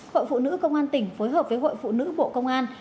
hội phụ nữ công an tỉnh phối hợp với hội phụ nữ bộ công an